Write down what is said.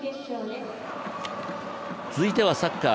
続いてはサッカー。